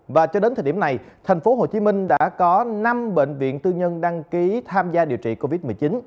và cho đến thời điểm này thành phố hồ chí minh đã có năm bệnh viện tư nhân đăng ký tham gia điều trị covid một mươi chín